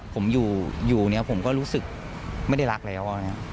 ผมอยู่เนี่ยผมก็รู้สึกไม่ได้รักแล้ว